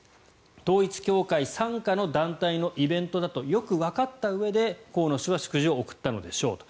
統一教会傘下の団体のイベントだとよくわかったうえで河野氏は祝辞を贈ったのでしょうと。